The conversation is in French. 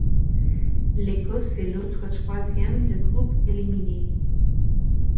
L'Écosse est l'autre troisième de groupe éliminé.